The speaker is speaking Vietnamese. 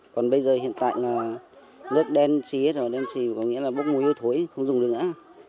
còn bây giờ hiện tại là nước đen xí hết rồi đen xí có nghĩa là bốc mùi hôi thối không dùng được nữa